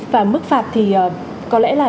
và mức phạt thì có lẽ là